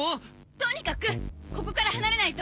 とにかくここから離れないと！